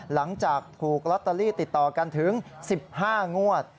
หลังจากถูกลอตเตอรี่ติดต่อกันถึง๑๕งวด